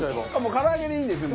唐揚げでいいんですね